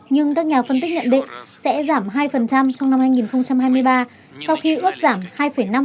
nhưng các nhà phân tích nhận định sẽ giảm hai trong năm hai nghìn hai mươi ba sau khi ước giảm hai năm trong năm hai nghìn hai mươi hai